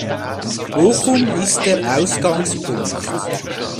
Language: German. Bochum ist der Ausgangpunkt